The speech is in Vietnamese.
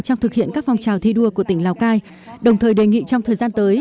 trong thực hiện các phong trào thi đua của tỉnh lào cai đồng thời đề nghị trong thời gian tới